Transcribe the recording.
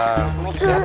semoga kamu sihat ya